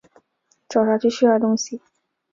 找她去吃点东西